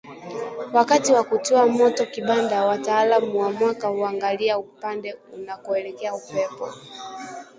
Wakati wa kutiwa moto kibanda wataalamu wa mwaka huangalia upande unakoelekea upepo